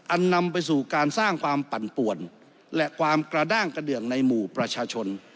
นำไปสู่การสร้างความปั่นป่วนและความกระด้างกระเดืองในหมู่ประชาชน